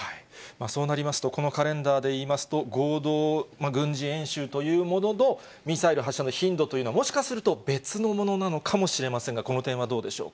そうなりますと、このカレンダーでいいますと、合同軍事演習というものと、ミサイル発射の頻度というのは、もしかすると別のものなのかもしれませんが、この点はどうでしょ